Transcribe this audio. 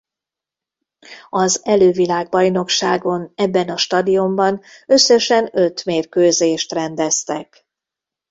Az elő-világbajnokságon ebben a stadionban összesen öt mérkőzést rendeztek.